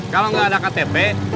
kalo gak ada ktp